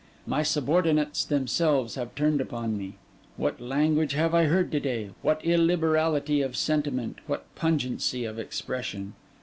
My subordinates themselves have turned upon me. What language have I heard to day, what illiberality of sentiment, what pungency of expression!